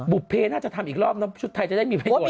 บุภเฟ่น่าจะทำอีกรอบชุดไทยจะได้มีประโยชน์อีกรอบ